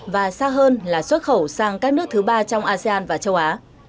và xa hơn là xuất khẩu sang các nước thứ ba trong asean và châu á